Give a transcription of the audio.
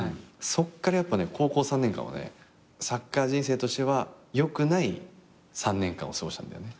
そっからやっぱ高校３年間はサッカー人生としては良くない３年間を過ごしたんだよね。